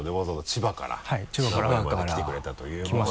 千葉から来てくれたということで。